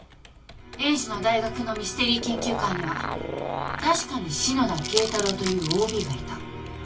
栄治の大学のミステリー研究会には確かに篠田敬太郎というＯＢがいた。